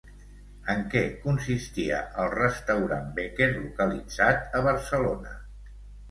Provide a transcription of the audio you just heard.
En què consistia el restaurant Becquer localitzat a Barcelona?